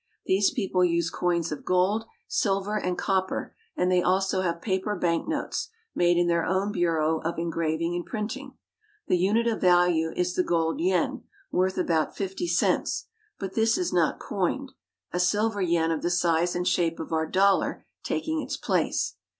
These people use coins of gold, silver, and copper, and they also have paper bank notes, made in their own Bureau of Engraving and Printing. The unit of value is the gold yen, worth about We shall meet Japanese post men —" JAPANESE CHILDREN AT SCHOOL 65 fifty cents, but this is not coined, a silver yen of the size and shape of our dollar taking its place.